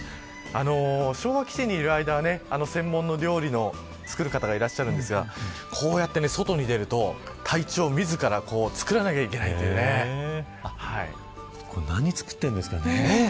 昭和基地にいる間は専門の料理を作る方がいらっしゃるんですがこうやって外に出ると隊長自らこれ何、作ってるんですかね。